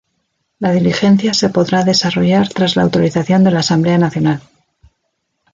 La diligencia se podrá desarrollar tras la autorización de la Asamblea Nacional.